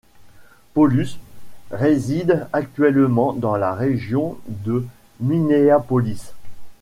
Paulus réside actuellement dans la région de Minneapolis.